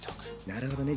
なるほどね。